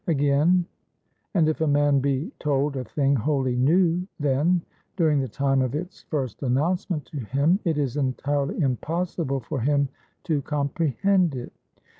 Again. If a man be told a thing wholly new, then during the time of its first announcement to him it is entirely impossible for him to comprehend it.